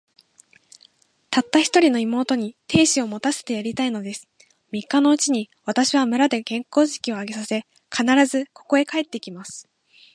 たった一人の妹に、亭主を持たせてやりたいのです。三日のうちに、私は村で結婚式を挙げさせ、必ず、ここへ帰って来ます。